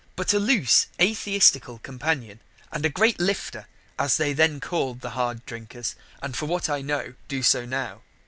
but a loose atheistical companion, and a great Lifter, as they then call'd the hard drinkers, and for what I know do so now.